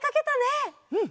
うん！